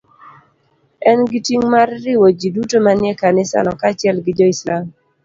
En gi ting' mar riwo ji duto manie kanisano kaachiel gi joislam.